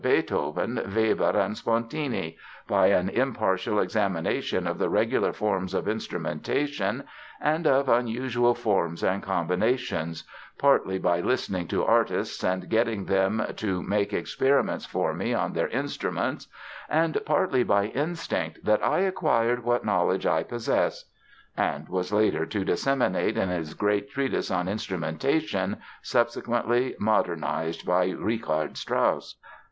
Beethoven, Weber and Spontini; by an impartial examination of the regular forms of instrumentation, and of unusual forms and combinations; partly by listening to artists and getting them to make experiments for me on their instruments, and partly by instinct, that I acquired what knowledge I possess" and was later to disseminate in his great treatise on instrumentation, subsequently modernized by Richard Strauss.